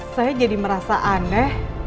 saya jadi merasa aneh